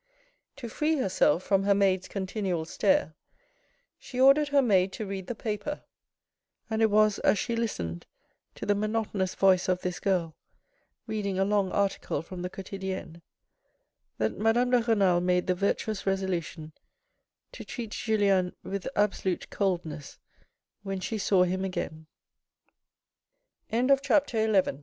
To free herself from her maid's continual stare, she ordered her maid to read the paper, and it was as she listened to the monoton ous voice of this girl, reading a long article from the Quotidienne that Madame de Renal made the virtuous resolution to treat Tulien with absolute coldness when she saw him again CHAPTER XII A JOURNEY Elega